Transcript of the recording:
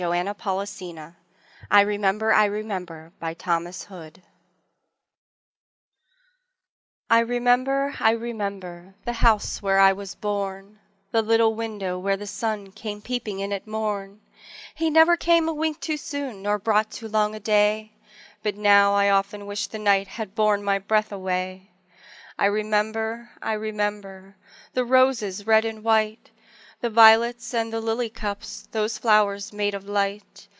7 Autoplay I Remember, I Remember I remember, I remember The house where I was born, The little window where the sun Came peeping in at morn; He never came a wink too soon Nor brought too long a day; But now, I often wish the night Had borne my breath away. I remember, I remember The roses red and white, The violets and the lily cups Those flowers made of light!